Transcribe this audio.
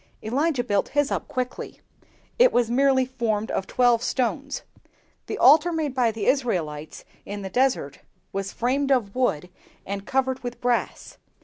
Elijah built his up quickly; it was merely formed of twelve stones. The altar made by the Israelites in the desert was framed of wood, and covered with brass.